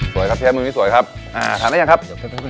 สวยครับเชฟมือมือสวยครับอาหารได้ยังครับ